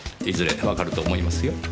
いずれわかると思いますよ。